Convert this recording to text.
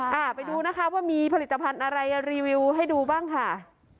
ไปดูนะคะว่ามีผลิตภัณฑ์อะไรรีวิวให้ดูบ้างค่ะ